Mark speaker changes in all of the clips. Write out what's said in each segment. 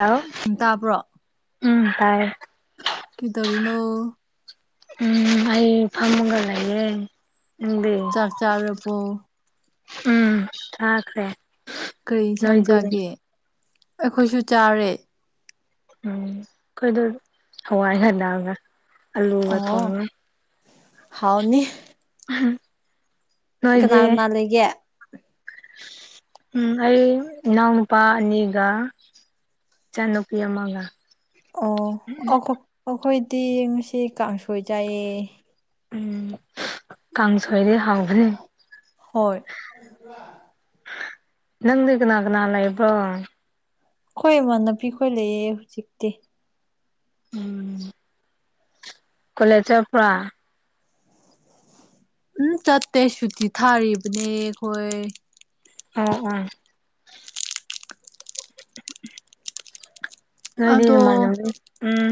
Speaker 1: ꯍꯂꯥꯎ
Speaker 2: ꯇꯥꯕ꯭ꯔꯣ
Speaker 1: ꯎꯝ ꯇꯥꯏ
Speaker 2: ꯀꯩꯇꯧꯔꯤꯅꯣ
Speaker 1: ꯎꯝ ꯑꯩ ꯐꯝꯃꯒ ꯂꯩꯌꯦ ꯅꯪꯗꯤ
Speaker 2: ꯆꯥꯛ ꯆꯥꯔꯕꯣ
Speaker 1: ꯎꯝ ꯊꯥꯈ꯭ꯔꯦ꯫
Speaker 2: ꯀꯔꯤ ꯌꯦꯟꯁꯥꯡ ꯆꯥꯒꯦ ꯑꯈꯣꯏꯁꯨ ꯆꯥꯔꯦ
Speaker 1: ꯎꯝ ꯑꯈꯣꯏꯗꯣ ꯍꯋꯥꯏ ꯈꯔ [unintelligible]
Speaker 2: ꯑꯣ ꯍꯥꯎꯅꯤ
Speaker 1: [unintelligible]
Speaker 2: ꯀꯅꯥ ꯀꯅꯥ ꯂꯩꯒꯦ꯫
Speaker 1: ꯎꯝ ꯑꯩ ꯅꯎꯄꯥꯅꯤꯒ ꯆꯅꯨꯄꯤ ꯑꯃꯒ
Speaker 2: ꯑꯣ ꯑꯈꯣꯏꯗꯤ ꯉꯁꯤ ꯀꯥꯡꯁꯣꯏ ꯆꯏꯌꯦ
Speaker 1: ꯎꯝ ꯀꯥꯡꯁꯣꯏꯗꯤ ꯍꯥꯎꯕꯅꯦ꯫
Speaker 2: ꯍꯣꯏ
Speaker 1: ꯅꯪꯗꯤ ꯀꯅꯥ ꯀꯅꯥ ꯂꯩꯕꯣ꯫
Speaker 2: ꯑꯩꯈꯣꯏ ꯏꯃꯥꯟꯅꯕꯤꯄꯤ ꯈꯣꯏ ꯂꯩꯌꯦ ꯍꯧꯖꯤꯛꯇꯤ
Speaker 1: ꯎꯝ ꯀꯣꯂꯦꯖ ꯆꯠꯄꯔ
Speaker 2: ꯎꯝ ꯆꯠꯇꯦ ꯁꯨꯇꯤ ꯊꯥꯔꯤꯕꯅꯦ ꯑꯈꯣꯏ
Speaker 1: ꯑꯣ ꯑꯣ ꯅꯣꯏꯗ
Speaker 2: ꯑꯗꯣ
Speaker 1: ꯅꯨ ꯃꯥꯜ ꯅꯗꯤ ꯎꯝ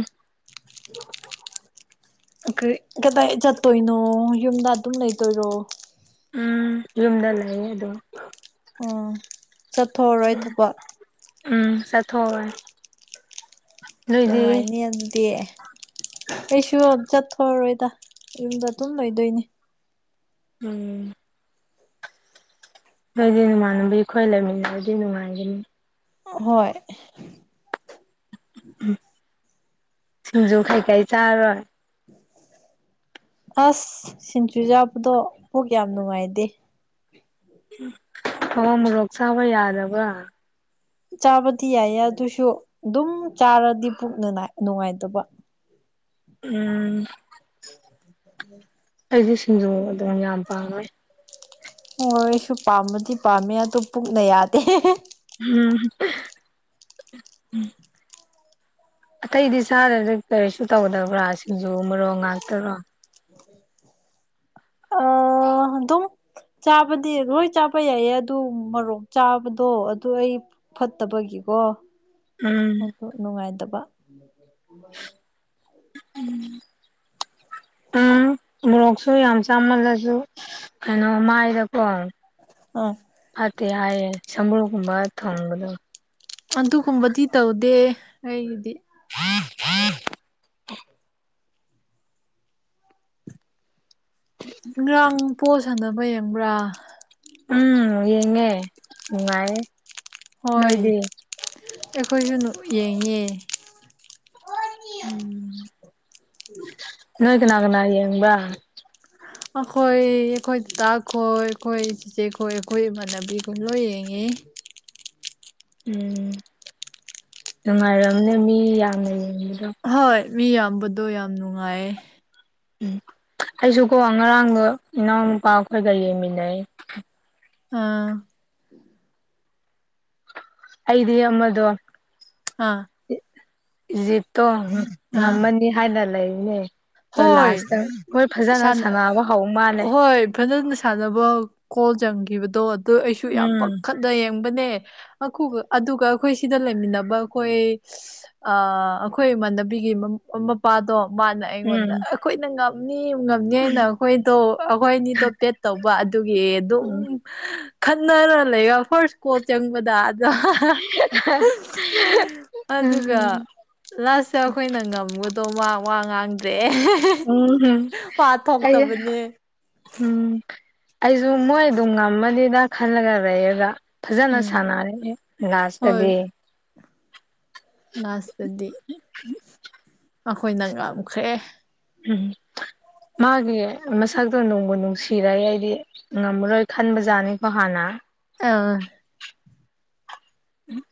Speaker 2: ꯀꯔꯤ ꯀꯗꯥꯏ ꯆꯠꯇꯣꯏꯅꯣ ꯌꯨꯝꯗ ꯑꯗꯨꯝ ꯂꯩꯇꯣꯏꯔꯣ
Speaker 1: ꯎꯝ ꯌꯨꯝꯗ ꯂꯩꯌꯦ ꯑꯗꯨꯝ
Speaker 2: ꯑꯣ ꯆꯠꯊꯣꯛꯑꯔꯣꯏ ꯊꯕꯛ
Speaker 1: ꯎꯝ ꯁꯥ [unintelligible]
Speaker 2: ꯅꯨꯡꯉꯥꯏꯅꯤ ꯑꯗꯨꯗꯤ ꯑꯩꯁꯨ ꯆꯠꯊꯣꯔꯔꯣꯏꯗ ꯌꯨꯝꯗ ꯑꯗꯨꯝ ꯂꯣꯏꯗꯣꯏꯅꯦ
Speaker 1: ꯎꯝ ꯅꯣꯏꯗꯤ ꯅꯨꯡꯉꯥꯟꯅꯕ ꯈꯣꯏ ꯂꯩꯃꯤꯟꯅꯔꯗꯤ ꯅꯨꯡꯉꯥꯏꯒꯅꯤ꯫
Speaker 2: ꯍꯣꯏ
Speaker 1: ꯎ ꯁꯤꯡꯖꯨ ꯀꯩ ꯀꯩ ꯆꯥꯔꯣꯏ
Speaker 2: ꯑꯁ ꯁꯤꯡꯖꯨ ꯆꯥꯕꯗꯣ ꯄꯨꯛ ꯌꯥꯝ ꯅꯨꯡꯉꯥꯏꯗꯦ꯫
Speaker 1: ꯊꯋꯥ ꯃꯣꯔꯣꯛ ꯆꯥꯕ ꯌꯥꯗꯕ
Speaker 2: ꯆꯥꯕꯗꯤ ꯌꯥꯏꯌꯦ ꯑꯗꯨꯁꯨ ꯑꯗꯨꯝ ꯆꯥꯔꯗꯤ ꯄꯨꯛꯅ ꯅꯨꯡꯉꯥꯏꯇꯕ
Speaker 1: ꯎꯝ ꯎꯝ
Speaker 2: [unintelligible]
Speaker 1: ꯑꯩꯗꯤ ꯁꯤꯡꯖꯨ ꯑꯗꯨꯝ ꯌꯥꯝ ꯄꯥꯝꯃꯦ꯫
Speaker 2: ꯍꯣꯏ ꯑꯩꯁꯨ ꯄꯥꯝꯕꯗꯤ ꯄꯥꯝꯃꯦ ꯑꯗꯨ ꯄꯨꯛꯅ ꯌꯥꯗꯦ꯫
Speaker 1: ꯎꯝ ꯑꯇꯩꯗꯤ ꯆꯥꯗ ꯀꯔꯤꯁꯨ ꯇꯧꯗꯕ꯭ꯔꯥ ꯁꯤꯡꯖꯨ ꯃꯔꯣꯛ ꯉꯥꯛꯇꯔꯣ?
Speaker 2: ꯑꯥ ꯑꯗꯨꯝ ꯆꯥꯕꯗꯤ ꯂꯣꯏ ꯆꯥꯕ ꯌꯥꯏꯌꯦ ꯑꯗꯨ ꯃꯔꯣꯛ ꯆꯥꯕꯗꯣ ꯑꯗꯨ ꯑꯩ ꯐꯠꯇꯕꯒꯤꯀꯣ
Speaker 1: ꯎꯝ
Speaker 2: ꯑꯗꯨ ꯅꯨꯡꯉꯥꯏꯇꯕ [unintelligible] [inaudible]
Speaker 1: [unintelligible] ꯎꯝ ꯃꯣꯔꯣꯛꯁꯨ ꯌꯥꯝ ꯆꯥꯝꯃꯜꯂꯁꯨ ꯀꯩꯅꯣ ꯃꯥꯏꯗꯀꯣ
Speaker 2: ꯎꯝ
Speaker 1: ꯐꯠꯇꯦ ꯍꯥꯏꯌꯦ ꯁꯝꯕ꯭ꯔꯨꯒꯨꯝꯕ ꯊꯨꯡꯕꯗꯣ
Speaker 2: ꯑꯗꯨꯒꯨꯝꯕꯗꯤ ꯇꯧꯗꯦ ꯑꯩꯒꯤꯗꯤ꯫ ꯉꯔꯥꯡ ꯕꯣꯜ ꯁꯥꯟꯅꯕ ꯌꯦꯡꯕ꯭ꯔꯥ?
Speaker 1: ꯎꯝ ꯌꯦꯡꯉꯦ ꯅꯨꯡꯉꯥꯏꯌꯦ꯫
Speaker 2: ꯍꯣꯏ
Speaker 1: ꯅꯣꯏꯗꯤ
Speaker 2: ꯑꯩꯈꯣꯏꯁꯨ ꯅꯨ ꯌꯦꯡꯉꯦ꯫
Speaker 1: ꯎꯝ ꯅꯣꯏ ꯀꯅꯥ - ꯀꯅꯥ ꯌꯦꯡꯕ꯭ꯔꯥ? [inaudible]
Speaker 2: ꯑꯈꯣꯏ ꯑꯈꯣꯏ ꯗꯗꯥꯈꯣꯏ ꯑꯈꯣꯏ ꯆꯤꯆꯦꯈꯣꯏ ꯑꯩꯈꯣꯏ ꯏꯃꯥꯟꯅꯕꯤ ꯒꯩ ꯂꯣꯏ ꯌꯦꯡꯉꯤ꯫
Speaker 1: ꯎꯝ ꯅꯨꯡꯉꯥꯏꯔꯝꯅꯦ ꯃꯤ ꯌꯥꯝꯅ ꯌꯦꯡꯕꯗꯣ꯫
Speaker 2: ꯍꯣꯏ ꯃꯤ ꯌꯥꯝꯕꯗꯣ ꯌꯥꯝ ꯅꯨꯡꯉꯥꯏꯌꯦ꯫
Speaker 1: ꯎꯝ ꯑꯩꯁꯨ ꯀꯣ ꯉꯔꯥꯡꯗꯣ ꯏꯅꯥꯎꯅꯄꯥ ꯈꯣꯏꯒ ꯌꯦꯡꯃꯤꯟꯅꯩ꯫
Speaker 2: ꯑꯥ
Speaker 1: ꯑꯩꯗꯤ ꯑꯃꯗꯣ
Speaker 2: ꯍꯥꯥ
Speaker 1: ꯏꯖꯤꯞꯇꯣ
Speaker 2: ꯑꯥ
Speaker 1: ꯉꯝꯃꯅꯤ ꯍꯥꯏꯅ ꯂꯩꯕꯅꯦ ꯑꯗꯣ
Speaker 2: ꯍꯣꯏ
Speaker 1: ꯂꯥꯁꯇ ꯃꯣꯏ ꯐꯖꯅ
Speaker 2: ꯁꯥꯟ
Speaker 1: ꯁꯥꯟꯅꯕ ꯍꯧ ꯃꯥꯜꯂꯦ
Speaker 2: ꯍꯣꯏ ꯐꯖꯅ ꯁꯥꯟꯅꯕ ꯒꯣꯜ ꯆꯪꯈꯤꯕꯗꯣ ꯑꯗꯨ ꯑꯩꯁꯨ ꯌꯥꯝ
Speaker 1: ꯎꯝ
Speaker 2: ꯄꯥꯈꯠ ꯗ ꯌꯦꯡꯕꯅꯦ ꯑꯗꯨꯒ ꯑꯩꯈꯣꯏ ꯁꯤꯗ ꯂꯩꯃꯤꯟꯅꯕ ꯑꯩꯈꯣꯏ ꯑ ꯑꯩꯈꯣꯏ ꯏꯃꯥꯟꯅꯕꯤꯒꯤ ꯃꯄꯥꯗꯣ ꯃꯥꯅ ꯑꯩꯉꯣꯟꯗ
Speaker 1: ꯎꯝ
Speaker 2: ꯑꯩꯈꯣꯏꯅ ꯉꯝꯅꯤ ꯉꯝꯅꯤ ꯍꯥꯏꯅ ꯑꯩꯈꯣꯏꯗꯣ ꯑꯩꯈꯣꯏ ꯑꯅꯤꯗꯣ ꯄꯦꯠ ꯇꯧꯕ ꯑꯗꯨꯒꯤ
Speaker 1: ꯎꯝ
Speaker 2: ꯑꯗꯨꯝ ꯈꯟꯅꯔ ꯂꯩꯒ ꯐꯥꯔꯁ ꯀꯣꯜ ꯆꯪꯕꯗ [unintelligible] ꯑꯗꯨꯒ ꯂꯥꯁꯇ ꯑꯈꯣꯏꯅ ꯉꯝꯕꯗꯣ ꯃꯥ ꯋꯥ ꯉꯥꯡꯗ꯭ꯔꯦ꯫
Speaker 1: ꯎꯝ
Speaker 2: ꯋꯥ
Speaker 1: ꯀꯩ
Speaker 2: ꯊꯣꯛꯇꯕꯅꯦ
Speaker 1: ꯎꯝ ꯑꯩꯖꯨ ꯃꯣꯏ ꯑꯗꯨꯝ ꯉꯝꯃꯅꯤꯗ ꯈꯜꯂꯒ ꯂꯩꯌꯦꯕ꯫ ꯐꯖꯅ
Speaker 2: ꯎꯝ
Speaker 1: ꯁꯥꯟꯅꯔꯛꯑꯦ
Speaker 2: ꯍꯣꯏ
Speaker 1: ꯂꯥꯁꯇꯗꯤ
Speaker 2: ꯂꯥꯁꯇꯗꯤ ꯑꯈꯣꯏꯅ ꯉꯝꯈ꯭ꯔꯦ꯫
Speaker 1: ꯎꯝ ꯃꯥꯒꯤ ꯃꯁꯛꯇꯣ ꯅꯣꯡꯕꯨ ꯅꯨꯡꯁꯤꯔꯛꯏ ꯑꯩꯗꯤ꯫ ꯉꯝꯃꯔꯣꯏ ꯈꯟꯕꯖꯥꯠꯅꯤꯀꯣ ꯍꯥꯟꯅ
Speaker 2: ꯑꯥ
Speaker 1: ꯎꯝ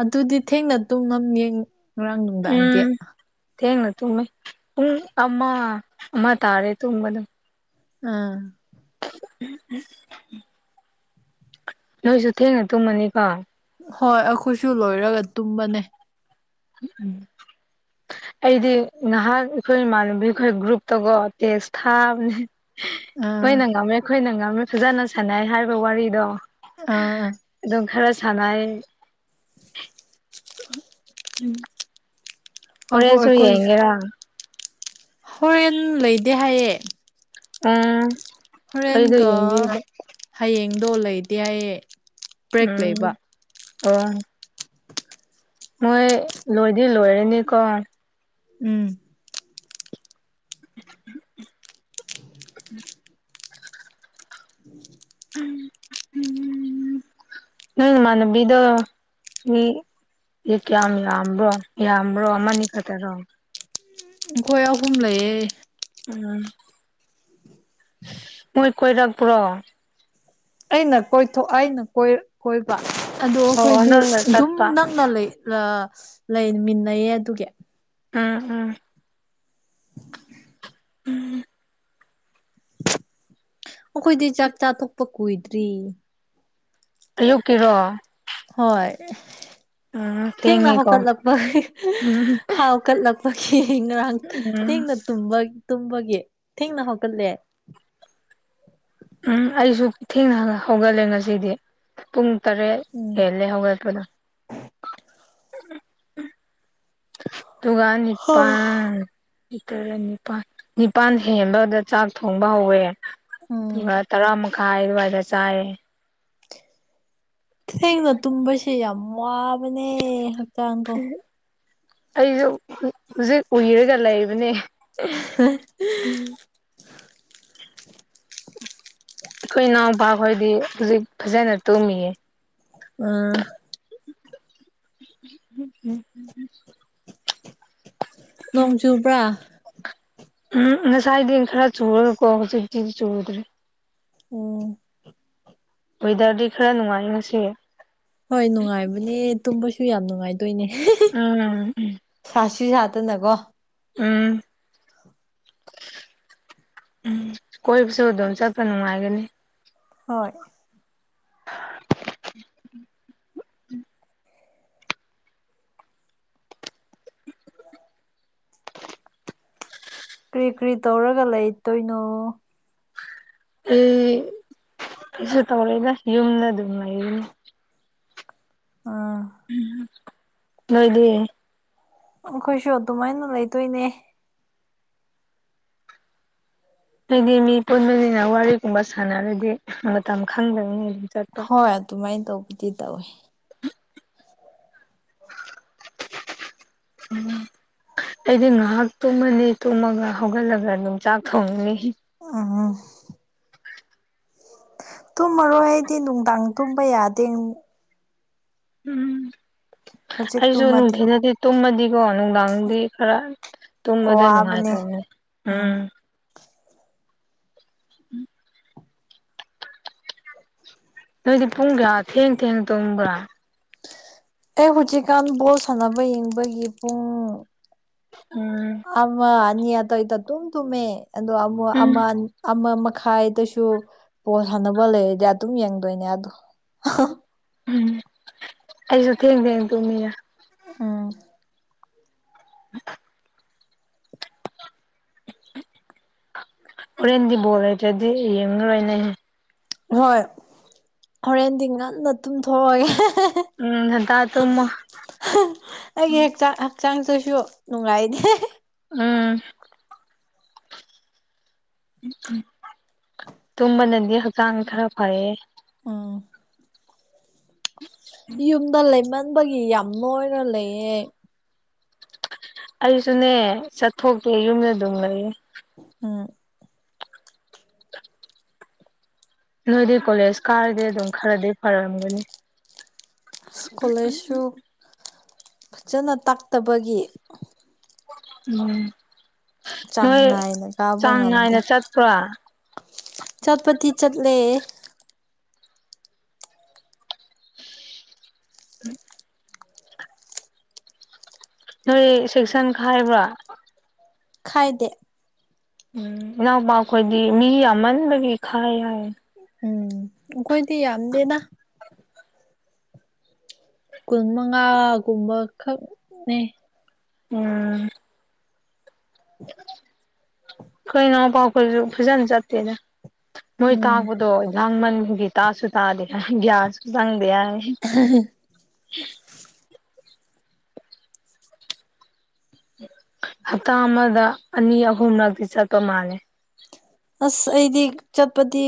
Speaker 2: ꯑꯗꯨꯗꯤ ꯊꯦꯡꯅ ꯇꯨꯝꯃꯝꯅꯤ ꯉꯔꯥꯡ ꯅꯨꯡꯗꯥꯡꯗꯤ
Speaker 1: ꯎꯝ ꯊꯦꯡꯅ ꯇꯨꯝꯃꯦ ꯄꯨꯡ ꯑꯃ ꯑꯃ ꯇꯥꯔꯦ ꯇꯨꯝꯕꯗ
Speaker 2: ꯑꯥ
Speaker 1: ꯎꯝ ꯎꯝ ꯅꯣꯏꯁꯨ ꯊꯦꯡꯅ ꯇꯨꯝꯃꯅꯤꯀꯣ
Speaker 2: ꯍꯣꯏ ꯑꯩꯈꯣꯏꯁꯨ ꯂꯣꯏꯔꯒ ꯇꯨꯝꯕꯅꯦ
Speaker 1: ꯎꯝ ꯑꯩꯗꯤ ꯉꯍꯥꯛ ꯑꯩꯈꯣꯏ ꯏꯃꯥꯟꯅꯕꯤ ꯑꯩꯈꯣꯏ ꯒ꯭ꯔꯨꯞꯇꯒꯣ ꯇꯦꯖ ꯊꯥꯕꯅꯦ
Speaker 2: ꯑꯥ
Speaker 1: ꯑꯩꯈꯣꯏꯅ ꯉꯝꯃꯦ ꯑꯩꯈꯣꯏꯅ ꯉꯝꯃꯦ ꯐꯖꯅ ꯁꯥꯟꯅꯩ ꯍꯥꯏꯔꯤꯕ ꯋꯥꯔꯤꯗꯣ
Speaker 2: ꯑꯥ
Speaker 1: ꯗꯣꯡ ꯈꯔꯥ ꯁꯥꯏ
Speaker 2: [unintelligible]
Speaker 1: ꯎꯝ
Speaker 2: ꯑꯩꯈꯣꯏ
Speaker 1: ꯍꯣꯔꯦꯟꯁꯨ
Speaker 2: ꯑꯩꯈꯣꯏ
Speaker 1: ꯌꯦꯡꯒꯦꯔ
Speaker 2: ꯍꯣꯔꯦꯟ ꯂꯩꯗꯦ ꯍꯥꯏꯌꯦ
Speaker 1: ꯎꯝ ꯑꯩꯗ
Speaker 2: ꯍꯣꯔꯦꯟꯒ
Speaker 1: ꯌꯦꯡꯕꯤ
Speaker 2: ꯍꯌꯦꯡꯗꯣ ꯂꯩꯇꯦ ꯍꯥꯏꯌꯦ ꯕ꯭ꯔꯦꯛ
Speaker 1: ꯎꯝ
Speaker 2: ꯂꯩꯕ
Speaker 1: ꯑꯣ ꯃꯣꯏ ꯂꯣꯏꯗꯤ ꯂꯣꯏꯔꯅꯤꯀꯣ
Speaker 2: ꯎꯝ [inaudible]
Speaker 1: ꯅꯪ ꯅꯃꯥꯅꯕꯤꯗꯣ ꯃꯤ ꯑꯦ ꯀꯌꯥꯝ ꯌꯥꯝꯕ꯭ꯔꯣ ꯌꯥꯝꯕ꯭ꯔꯣ ꯑꯃꯅꯤ ꯈꯛꯇꯔꯣ
Speaker 2: ꯑꯣꯈꯣꯏꯌꯥ ꯍꯨꯝꯂꯌꯦ
Speaker 1: ꯎꯝ ꯃꯣꯏ ꯀꯣꯏꯔꯥꯛꯄ꯭ꯔꯣ
Speaker 2: ꯑꯩꯅ ꯀꯣꯏꯊꯣꯛ ꯑꯩꯅ ꯀꯣꯏꯕ ꯑꯗꯣ
Speaker 1: ꯑꯣ
Speaker 2: ꯑꯩꯈꯣꯏꯗꯤ
Speaker 1: ꯅꯪꯅ
Speaker 2: ꯑꯗꯨꯝ
Speaker 1: ꯆꯠꯄ
Speaker 2: ꯅꯪꯅ ꯂꯩ ꯂꯩꯃꯤꯟꯅꯩꯌꯦ ꯑꯗꯨꯒꯤ
Speaker 1: ꯎꯝ ꯎꯝ ꯎꯝ
Speaker 2: ꯑꯩꯈꯣꯏꯗꯤ ꯆꯥꯛ ꯆꯥꯊꯣꯛꯄ ꯀꯨꯏꯗ꯭ꯔꯤ
Speaker 1: ꯑꯌꯨꯛꯀꯤꯔꯣ
Speaker 2: ꯍꯣꯏ
Speaker 1: ꯎꯝ
Speaker 2: ꯊꯦꯡꯅ
Speaker 1: ꯊꯦꯡꯉꯦꯀꯣ
Speaker 2: ꯍꯧꯀꯠꯂꯛꯄꯥꯒꯤ
Speaker 1: ꯎꯝ
Speaker 2: ꯍꯥꯎ ꯍꯧꯀꯠꯂꯛꯄꯒꯤ ꯉꯔꯥꯡ
Speaker 1: ꯎꯝ
Speaker 2: ꯊꯦꯡꯅ ꯇꯨꯝꯕꯒꯤ ꯊꯦꯡꯅ ꯍꯧꯀꯠꯂꯦ
Speaker 1: ꯎꯝ ꯑꯩꯁꯨ ꯊꯦꯡꯅ ꯍꯧꯒꯠꯂꯦ ꯉꯁꯤꯗꯤ ꯄꯨꯡ ꯇꯔꯦꯠ
Speaker 2: ꯎꯝ
Speaker 1: ꯍꯦꯜꯂꯦ ꯍꯧꯒꯠꯄꯗ ꯗꯨꯀꯥꯟ ꯅꯤꯄꯥꯟ ꯂꯤꯇꯔ ꯅꯤꯄꯥꯜ ꯅꯤꯄꯥꯜ ꯍꯦꯟꯕꯗ ꯆꯥꯛ ꯊꯣꯡꯕ ꯍꯧꯋꯦ
Speaker 2: ꯎꯝ
Speaker 1: ꯑꯗꯨꯒ ꯇꯔꯥ ꯃꯈꯥꯏ ꯑꯗꯨꯋꯥꯏꯗ ꯆꯥꯏꯌꯦ
Speaker 2: ꯊꯦꯡꯅ ꯇꯨꯝꯕꯁꯦ ꯌꯥꯝ ꯋꯥꯕꯅꯦ ꯍꯛꯆꯥꯡꯗꯣ
Speaker 1: ꯑꯩꯁꯨ ꯍꯧꯖꯤꯛ ꯎꯏꯔꯒ ꯂꯩꯕꯅꯦ ꯑꯩꯈꯣꯏ ꯏꯅꯥꯎꯄꯥꯈꯣꯏꯗꯤ ꯍꯧꯖꯤꯛ ꯐꯖꯅ ꯇꯨꯝꯃꯤꯌꯦ
Speaker 2: ꯑꯥ
Speaker 1: [inaudible]
Speaker 2: ꯅꯣꯡ ꯆꯨꯕ꯭ꯔꯥ
Speaker 1: ꯎꯝ ꯉꯁꯥꯏꯗꯤ ꯈꯔ ꯆꯨꯔꯒꯀꯣ ꯍꯧꯖꯤꯛꯇꯤ ꯆꯨꯔꯗ꯭ꯔꯦ
Speaker 2: ꯑꯣ
Speaker 1: ꯋꯦꯗꯔꯗꯤ ꯈꯔ ꯅꯨꯡꯉꯥꯏ ꯉꯁꯤ
Speaker 2: ꯍꯣꯏ ꯅꯨꯡꯉꯥꯏꯕꯅꯦ ꯇꯨꯝꯕꯁꯨ ꯌꯥꯝ ꯅꯨꯡꯉꯥꯏꯗꯣꯏꯅꯦ
Speaker 1: ꯎꯝ
Speaker 2: ꯁꯤ ꯁꯥ ꯍꯥꯇꯅꯀꯣ
Speaker 1: ꯎꯝ ꯎꯝ ꯀꯣꯏꯕꯁꯨ ꯑꯗꯨꯝ ꯆꯠꯄ ꯅꯨꯡꯉꯥꯏꯒꯅꯤ
Speaker 2: ꯍꯣꯏ
Speaker 1: [inaudible]
Speaker 2: ꯀꯔꯤ ꯀꯔꯤ ꯇꯧꯔꯒ ꯂꯩꯇꯣꯏꯅꯣ
Speaker 1: ꯑꯩ ꯀꯩꯁꯨ ꯇꯧꯔꯣꯏꯗ ꯌꯨꯝꯗ ꯑꯗꯨꯝ ꯂꯩꯒꯅꯤ
Speaker 2: ꯑꯥ
Speaker 1: ꯅꯣꯏꯗꯤ
Speaker 2: ꯑꯩꯈꯣꯏꯁꯨ ꯑꯗꯨꯃꯥꯏꯅ ꯂꯩꯗꯣꯏꯅꯦ
Speaker 1: ꯑꯩꯗꯤ ꯃꯤ ꯄꯨꯟꯕꯅꯤꯅ ꯋꯥꯔꯤꯒꯨꯝꯕ ꯁꯥꯟꯅꯔꯗꯤ ꯃꯇꯝ ꯈꯪꯗꯕꯅꯤ ꯆꯠꯄ
Speaker 2: ꯍꯣꯏ ꯑꯗꯨꯃꯥꯏꯟ ꯇꯧꯕꯗꯤ ꯇꯧꯋꯦ
Speaker 1: [inaudible] ꯎꯝ ꯑꯩꯗꯤ ꯉꯥꯍꯥꯛ ꯇꯨꯝꯃꯅꯤ ꯇꯨꯝꯃꯒ ꯍꯧꯒꯠꯂꯒ ꯑꯗꯨꯝ ꯆꯥꯛ ꯊꯣꯡꯅꯤ
Speaker 2: [unintelligible] ꯇꯨꯝꯃꯔꯣꯏ ꯑꯩꯗꯤ ꯅꯨꯡꯗꯥꯡ ꯇꯨꯝꯕ ꯌꯥꯗꯦ
Speaker 1: ꯎꯝ
Speaker 2: ꯍꯧꯖꯤꯛ
Speaker 1: ꯑꯩꯁꯨ
Speaker 2: ꯇꯨꯝꯃꯗꯤ
Speaker 1: ꯅꯨꯡꯊꯤꯟꯗꯗꯤ ꯇꯨꯝꯃꯗꯤꯀꯣ ꯅꯨꯡꯗꯥꯡꯗꯤ ꯈꯔ ꯇꯨꯝꯕꯗ
Speaker 2: ꯋꯥꯕꯅꯦ
Speaker 1: ꯅꯨꯡꯉꯥꯏꯇꯧꯕꯅꯤ ꯎꯝ [unintelligible] ꯅꯣꯏꯗꯤ ꯄꯨꯡ ꯀꯌꯥ ꯊꯦꯡ ꯊꯦꯡ ꯇꯨꯝꯕ꯭ꯔꯥ
Speaker 2: ꯑꯩ ꯍꯧꯖꯤꯛꯀꯥꯟ ꯕꯣꯜ ꯁꯥꯟꯅꯕ ꯌꯦꯡꯕꯒꯤ ꯄꯨꯡ
Speaker 1: ꯎꯝ
Speaker 2: ꯑꯃ ꯑꯅꯤ ꯑꯗꯋꯥꯏꯗꯥ ꯗꯨꯝ ꯇꯨꯝꯃꯦ ꯑꯗꯣ ꯑꯃꯨꯛ
Speaker 1: ꯎꯝ
Speaker 2: ꯑꯃ ꯑꯃ ꯃꯈꯥꯏꯗꯁꯨ ꯕꯣꯜ ꯁꯟꯅꯕ ꯂꯩꯔꯗꯤ ꯑꯗꯨꯝ ꯌꯦꯡꯗꯣꯏꯅꯦ ꯑꯗꯣ
Speaker 1: ꯎꯝ ꯑꯩꯁꯨ ꯊꯦꯡ ꯊꯦꯡ ꯇꯨꯝꯃꯤꯔ
Speaker 2: ꯎꯝ
Speaker 1: [unintelligible] ꯍꯣꯔꯦꯟꯗꯤ ꯕꯣꯜ ꯂꯩꯇꯔꯗꯤ ꯌꯦꯡꯉꯔꯣꯏꯅꯦ
Speaker 2: ꯍꯣꯏ ꯍꯣꯔꯦꯟꯗꯤ ꯉꯟꯅ ꯇꯨꯝꯊꯣꯛꯑꯒꯦ
Speaker 1: ꯎꯝ ꯉꯟꯇꯥ ꯇꯨꯝꯃꯣ
Speaker 2: ꯑꯩꯒꯤ ꯍꯛꯆꯥꯡ ꯍꯛꯆꯥꯡꯁꯨꯁꯨ ꯅꯨꯡꯉꯥꯏꯗꯦ
Speaker 1: ꯎꯝ ꯇꯨꯝꯕꯅꯗꯤ ꯍꯛꯆꯥꯡ ꯈꯔ ꯐꯩꯌꯦ
Speaker 2: ꯎꯝ ꯌꯨꯝꯗ ꯂꯩꯃꯟꯕꯒꯤ ꯌꯥꯝ ꯅꯣꯏꯔꯥ ꯂꯩꯌꯦ
Speaker 1: ꯑꯩꯁꯨꯅꯦ ꯆꯠꯊꯣꯛꯇꯦ ꯌꯨꯝꯗ ꯑꯗꯨꯝ ꯂꯩꯌꯦ
Speaker 2: ꯎꯝ
Speaker 1: ꯅꯣꯏꯗꯤ ꯀꯣꯂꯦꯖ ꯀꯥꯔꯗꯤ ꯑꯗꯨꯝ ꯈꯔꯗꯤ ꯐꯔꯝꯒꯅꯤ
Speaker 2: ꯑꯁ ꯀꯣꯂꯦꯖꯁꯨ ꯐꯖꯅ ꯇꯥꯛꯇꯕꯒꯤ
Speaker 1: ꯎꯝ
Speaker 2: ꯆꯥꯡ
Speaker 1: ꯅꯣꯏ
Speaker 2: ꯅꯥꯏꯅ ꯀꯥꯕ
Speaker 1: ꯆꯥꯡꯅꯥꯏꯅ
Speaker 2: ꯉꯝꯗꯦ
Speaker 1: ꯆꯠꯄ꯭ꯔꯣ
Speaker 2: ꯆꯠꯄꯗꯤ ꯆꯠꯂꯦ
Speaker 1: [inaudible] ꯅꯣꯏ ꯁꯦꯛꯁꯟ ꯈꯥꯏꯕ꯭ꯔꯥ
Speaker 2: ꯈꯥꯏꯗꯦ
Speaker 1: ꯎꯝ ꯏꯅꯥꯎꯄꯥ ꯈꯣꯏꯗꯤ ꯃꯤ ꯌꯥꯝꯃꯟꯕꯒꯤ ꯈꯥꯏ ꯍꯥꯏ
Speaker 2: ꯎꯝ ꯑꯩꯈꯣꯏꯗꯤ ꯌꯥꯝꯗꯦꯗ ꯀꯨꯟ ꯃꯉꯥꯒꯨꯝꯕ ꯈꯛꯅꯦ
Speaker 1: ꯎꯝ ꯈꯣꯏ ꯅꯎꯄ ꯈꯣꯢꯁꯨ ꯐꯖꯥꯟ ꯆꯠꯇꯦꯗ ꯃꯣꯏ
Speaker 2: ꯎꯝ
Speaker 1: ꯇꯥꯛꯄꯗꯣ ꯂꯥꯡꯃꯟꯕꯒꯤ ꯇꯥꯁꯨ ꯇꯥꯗꯦ ꯍꯥꯏ ꯒ꯭ꯌꯥꯟꯁꯨ ꯆꯪꯗꯦ ꯍꯥꯏ
Speaker 2: [unintelligible]
Speaker 1: [unintelligible] ꯍꯞꯇꯥ ꯑꯃꯗ ꯑꯅꯤ ꯑꯍꯨꯝꯂꯛꯇꯤ ꯆꯠꯄ ꯃꯥꯜꯂꯦ
Speaker 2: ꯑꯁ ꯑꯩꯗꯤ ꯆꯠꯄꯗꯤ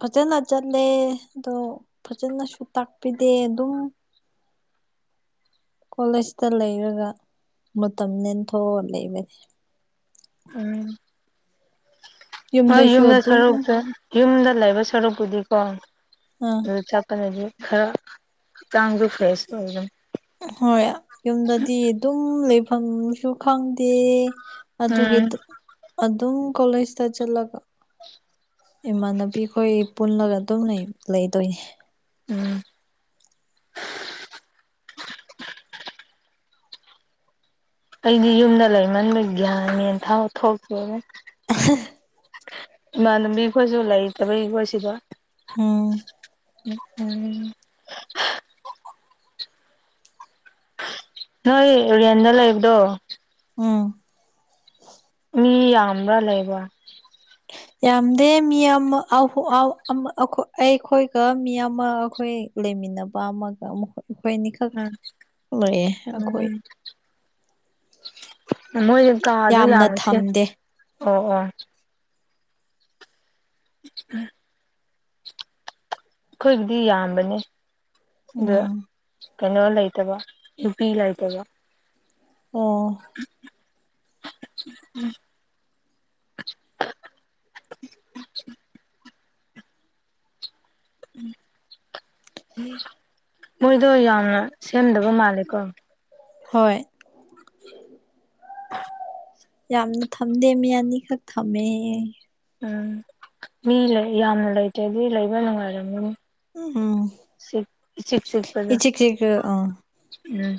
Speaker 2: ꯐꯖꯅ ꯆꯠꯂꯦ ꯑꯗꯣ ꯐꯖꯅꯁꯨ ꯇꯥꯛꯄꯤꯗꯦ ꯑꯗꯨꯝ ꯀꯣꯂꯦꯖꯇ ꯂꯩꯔꯒ ꯃꯇꯝ ꯂꯦꯟꯊꯣꯛꯑ ꯂꯩꯕꯅꯦ
Speaker 1: ꯎꯝ ꯍꯣꯏ
Speaker 2: ꯌꯨꯝꯗꯁꯨ
Speaker 1: ꯌꯨꯝꯗ
Speaker 2: ꯑꯗꯨꯝ
Speaker 1: ꯁꯔꯨꯛ ꯌꯨꯝꯗ ꯂꯩꯕ ꯁꯔꯨꯛꯄꯨꯗꯤꯀꯣ
Speaker 2: ꯑꯥꯝ
Speaker 1: ꯑꯗꯨ ꯆꯥꯛꯄꯗꯗꯤ ꯈꯔ ꯍꯥꯛꯆꯥꯡꯁꯨ ꯐ꯭ꯔꯦꯁ ꯑꯣꯏ ꯑꯗꯨꯝ
Speaker 2: ꯍꯣꯏ ꯌꯨꯝꯗꯗꯤ ꯑꯗꯨꯝ ꯂꯩꯐꯝꯁꯨ ꯈꯪꯗꯦ ꯑꯗꯨꯒꯤ
Speaker 1: ꯎꯝ
Speaker 2: ꯑꯗꯨꯝ ꯀꯣꯂꯦꯖꯇ ꯆꯠꯂꯒ ꯏꯃꯥꯟꯅꯕꯤꯈꯣꯏ ꯄꯨꯜꯂꯒ ꯑꯗꯨꯝ ꯂꯩꯗꯣꯏꯅꯦ
Speaker 1: ꯎꯝ ꯑꯩꯗꯤ ꯌꯨꯝꯗ ꯂꯩꯃꯟꯕ ꯒ꯭ꯌꯥꯟꯃꯦꯟꯐꯥꯎ ꯊꯣꯛꯇꯔꯦꯗ ꯏꯃꯥꯟꯅꯕꯤ ꯑꯩꯈꯣꯏꯁꯨ ꯂꯩꯇꯕꯩꯈꯣꯏ ꯁꯤꯗ
Speaker 2: ꯎꯝ
Speaker 1: ꯎꯝ ꯅꯣꯏ ꯔꯦꯟꯇ ꯂꯩꯕꯗꯣ
Speaker 2: ꯎꯝ
Speaker 1: ꯃꯤ ꯌꯥꯝꯅ ꯂꯩꯕꯔꯥ
Speaker 2: ꯌꯥꯝꯗꯦ ꯃꯤ ꯑꯃ ꯑꯩꯈꯣꯏꯒ ꯃꯤ ꯑꯃ ꯑꯩꯈꯣꯏ ꯂꯩꯃꯤꯟꯅꯕ ꯑꯃꯒ ꯑꯩꯈꯣꯏ ꯑꯅꯤꯈꯛ
Speaker 1: ꯎꯝ
Speaker 2: ꯂꯩꯌꯦ ꯑꯩꯈꯣꯏ
Speaker 1: ꯃꯣꯏꯁ ꯀꯥꯗ ꯌꯥꯝꯅ ꯁꯤꯞ ꯑꯣ ꯑꯣ [unintelligible] ꯑꯩꯈꯣꯏꯕꯨꯗꯤ ꯌꯥꯝꯕꯅꯦ ꯑꯗꯨ
Speaker 2: ꯎꯝ
Speaker 1: ꯀꯩꯅꯣ ꯂꯩꯇꯕ ꯅꯨꯄꯤ ꯂꯩꯇꯕ
Speaker 2: ꯑꯣ
Speaker 1: ꯎꯝ [inaudible] ꯃꯣꯏꯗꯣ ꯌꯥꯝꯅ ꯁꯦꯝꯗꯕ ꯃꯥꯜꯂꯦꯀꯣ
Speaker 2: ꯍꯣꯏ ꯌꯥꯝꯅ ꯊꯝꯗꯦ ꯃꯤ ꯑꯅꯤꯈꯛ ꯊꯝꯃꯦ
Speaker 1: ꯎꯝ ꯃꯤ ꯂꯩ ꯌꯥꯝꯅ ꯂꯩꯇꯔꯗꯤ ꯑꯗꯨ ꯂꯩꯕ ꯅꯨꯡꯉꯥꯏꯔꯝꯃꯔꯣꯢ
Speaker 2: ꯎꯝ
Speaker 1: ꯢꯆꯤꯛ ꯆꯤꯛꯕꯗꯣ
Speaker 2: ꯏꯆꯤꯛ ꯆꯤꯛꯑ ꯑꯥ
Speaker 1: ꯎꯝ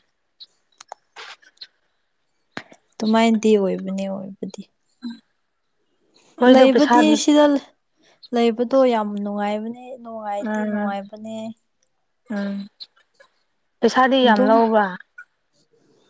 Speaker 2: ꯑꯗꯨꯃꯥꯏꯅꯗꯤ ꯑꯣꯏꯕꯅꯦ ꯑꯣꯏꯕꯗꯤ
Speaker 1: ꯎꯝ
Speaker 2: ꯂꯩꯕꯗꯤ ꯁꯤꯗ ꯂꯩꯕꯗꯣ ꯌꯥꯝ ꯅꯨꯡꯉꯥꯏꯕꯅꯦ ꯅꯨꯡꯉꯥꯏꯗꯤ
Speaker 1: ꯎꯝ
Speaker 2: ꯅꯨꯡꯉꯥꯏꯕꯅꯦ
Speaker 1: ꯎꯝ ꯄꯩꯁꯥꯗꯤ ꯌꯥꯝ
Speaker 2: ꯑꯗꯨꯝ
Speaker 1: ꯂꯧꯕ꯭ꯔꯥ